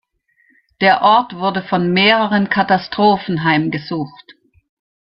Der Ort wurde von mehreren Katastrophen heimgesucht.